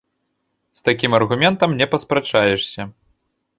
З такім аргументам не паспрачаешся.